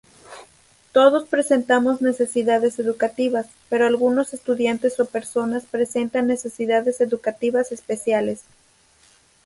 Todos presentamos necesidades educativas, pero algunos estudiantes o personas presentan necesidades educativas especiales.